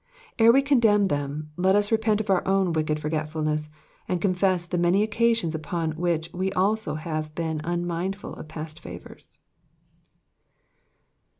Ere we condemn them, let us repent of our own wicked forget fulness, and confess the many occasions upon which we also have been unmindful of past favours.